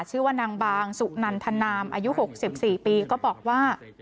ชื่อว่านางบางสุนันทนามอายุ๖๔ปีก็บอกว่า